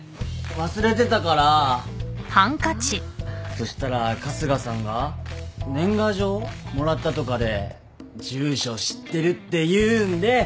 そしたら春日さんが年賀状もらったとかで住所知ってるっていうんで。